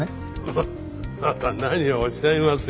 ハハまた何をおっしゃいますやら。